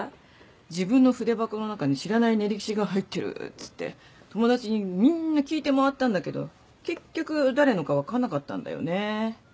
「自分の筆箱の中に知らない練り消しが入ってる」つって友達にみんな聞いて回ったんだけど結局誰のか分かんなかったんだよね。